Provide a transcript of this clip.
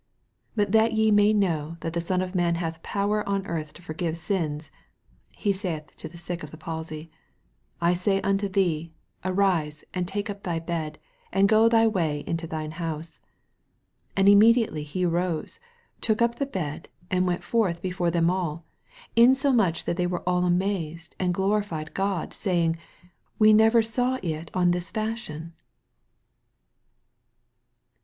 10 But that ye may know that the Son of man hath power on earth to forgive sins, (he saith to the sick of the palsy,) 111 say unto thee, Arise, and take up thy bed, and go thy way into thine house. 12 And immediately he arose, took up the bed, and went forth before them all ; insomuch that they werr all amazed, and glorified God, say ing, We never saw it on this fash ion.